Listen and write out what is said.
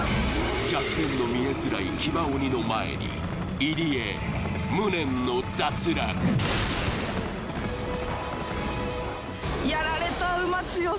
弱点の見えづらい騎馬鬼の前に入江無念の脱落やられた馬強すぎる